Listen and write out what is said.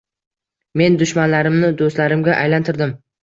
Men dushmanlarimni do’stlarimga aylantirdim.